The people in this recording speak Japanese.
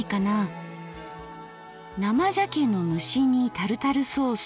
「生鮭の蒸し煮タルタルソース。